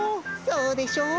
そうでしょう？